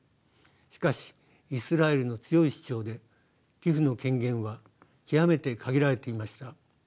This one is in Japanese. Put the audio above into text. しかしイスラエルの強い主張でＴＩＰＨの権限は極めて限られていました。